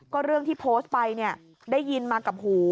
ก็เรื่องที่โพสต์ไปเนี่ยได้ยินมากับหู